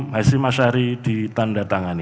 hasri masyari ditanda tangani